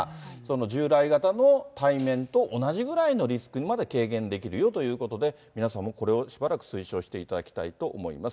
従来型の対面と同じぐらいのリスクにまで軽減できるよということで、皆さんもこれをしばらく推奨していただきたいと思います。